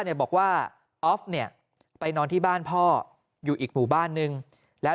เนี่ยบอกว่าออฟเนี่ยไปนอนที่บ้านพ่ออยู่อีกหมู่บ้านนึงแล้ว